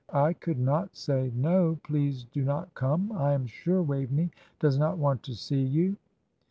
"I could not say, 'No, please do not come, I am sure Waveney does not want to see you!'"